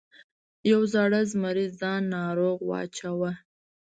یو زاړه زمري ځان ناروغ واچاوه.